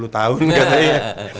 dua puluh tahun katanya